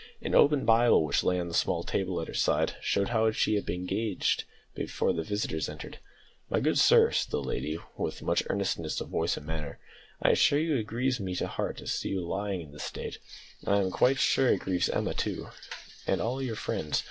An open Bible which lay on a small table at her side, showed how she had been engaged before the visitors entered. "My good sir," said the lady, with much earnestness of voice and manner, "I assure you it grieves me to the heart to see you lying in this state, and I'm quite sure it grieves Emma too, and all your friends.